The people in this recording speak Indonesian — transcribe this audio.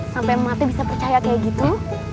sampai mati bisa percaya kayak gitu